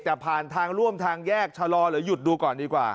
แต่ผ่านทางร่วมทางแยกชะลอหรือหยุดดูก่อนดีกว่า